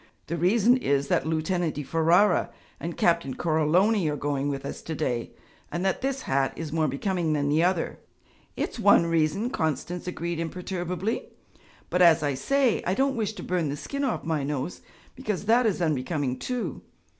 'The reason is, that Lieutenant di Ferara and Captain Coroloni are going with us to day, and that this hat is more becoming than the other.' 'It's one reason,' Constance agreed imperturbably, 'but, as I say, I don't wish to burn the skin off my nose, because that is unbecoming too.